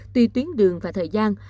tuy tuyến đường và thời gian